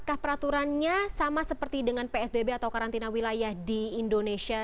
apakah peraturannya sama seperti dengan psbb atau karantina wilayah di indonesia